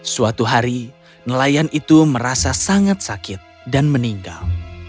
suatu hari nelayan itu merasa sangat sakit dan meninggal